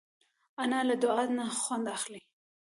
انا له دعا نه خوند اخلي